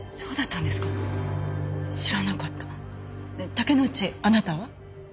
竹之内あなたは？